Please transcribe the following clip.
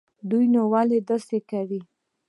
دوى نو ولې داسې کوي.